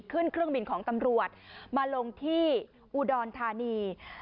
เครื่องบินของตำรวจมาลงที่อุดรธานี